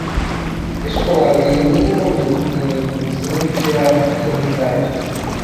Deixo claro que em nenhum momento tenho a intenção de tirar a responsabilidade